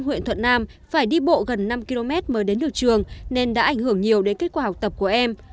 huyện thuận nam phải đi bộ gần năm km mới đến được trường nên đã ảnh hưởng nhiều đến kết quả học tập của em